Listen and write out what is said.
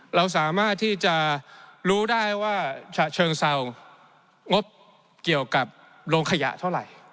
เราสามารถที่จะรู้ได้ว่าฉะเชิงเศร้างบเกี่ยวกับโรงขยะเท่าไหร่